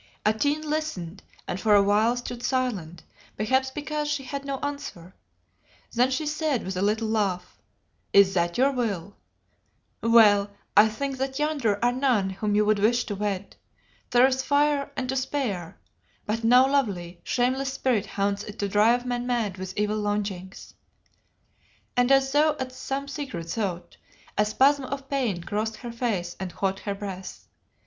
Atene listened and for a while stood silent, perhaps because she had no answer. Then she said with a little laugh "Is that your will? Well, I think that yonder are none whom you would wish to wed. There is fire and to spare, but no lovely, shameless spirit haunts it to drive men mad with evil longings;" and as though at some secret thought, a spasm of pain crossed her face and caught her breath.